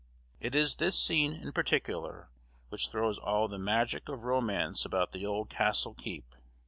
It is this scene, in particular, which throws all the magic of romance about the old castle keep.